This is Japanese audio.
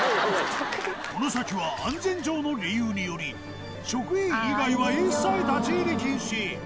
この先は安全上の理由により職員以外は一切立ち入り禁止。